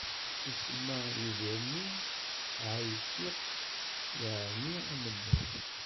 Isemma i lbir-nni: Ɛisiq, yƐni amennuɣ.